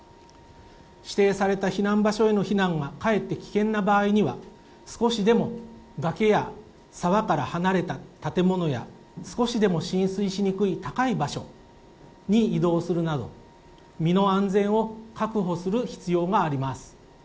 指定された避難場所への避難がかえって危険な場合には、少しでも崖や沢から離れた建物や、少しでも浸水しにくい高い場所に移動するなど、身の安全を確保する必要があります。